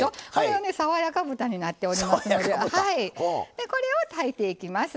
爽やか豚になっておりますのでこれを炊いていきます。